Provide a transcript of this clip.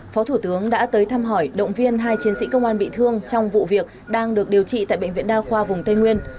phó thủ tướng đã tới thăm hỏi động viên hai chiến sĩ công an bị thương trong vụ việc đang được điều trị tại bệnh viện đa khoa vùng tây nguyên